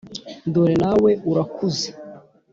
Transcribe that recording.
dore nawe urakuze